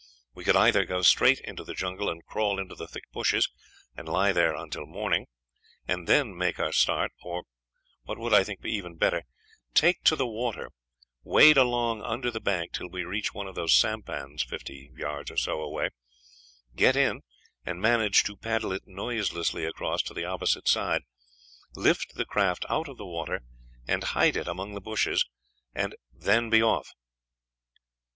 We could either go straight into the jungle and crawl into the thick bushes, and lie there until morning, and then make our start, or, what would, I think, be even better, take to the water, wade along under the bank till we reach one of those sampans fifty yards away, get in, and manage to paddle it noiselessly across to the opposite side, lift the craft out of the water, and hide it among the bushes, and then be off."